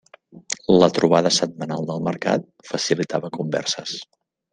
La trobada setmanal del mercat facilitava converses.